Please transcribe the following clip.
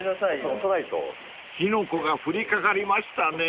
［火の粉が降りかかりましたね］